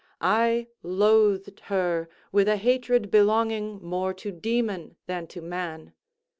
I loathed her with a hatred belonging more to demon than to man.